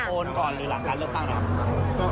โอนก่อนหรือหลังการเริ่มตั้งหรือ